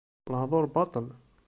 Lehduṛ baṭel.